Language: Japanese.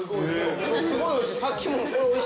すごいおいしい。